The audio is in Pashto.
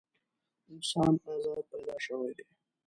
انسان ازاد پیدا شوی دی.